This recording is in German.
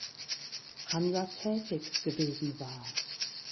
Hansa tätig gewesen war.